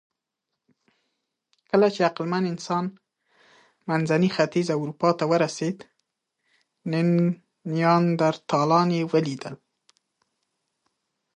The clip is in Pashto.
کله چې عقلمن انسان منځني ختیځ او اروپا ته ورسېد، نیاندرتالان یې ولیدل.